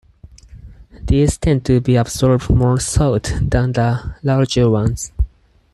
These tend to absorb more salt than the larger ones.